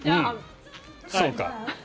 そうか。